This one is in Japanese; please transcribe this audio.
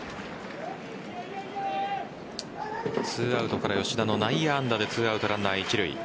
２アウトから吉田の内野安打で２アウトランナー一塁。